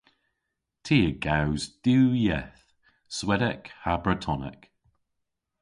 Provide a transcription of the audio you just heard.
Ty a gews diw yeth - Swedek ha Bretonek.